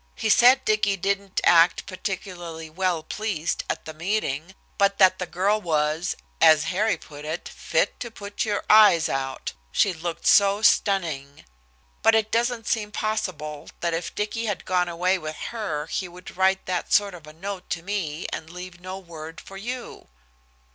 He said Dicky didn't act particularly well pleased at the meeting, but that the girl was, as Harry put it, 'fit to put your eyes out,' she looked so stunning. But it doesn't seem possible that if Dicky had gone away with her he would write that sort of a note to me and leave no word for you."